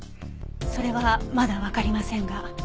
それはまだわかりませんが。